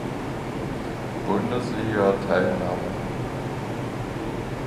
Bundesliga teilnahmen.